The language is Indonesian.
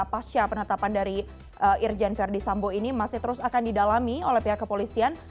pasca penetapan dari irjen verdi sambo ini masih terus akan didalami oleh pihak kepolisian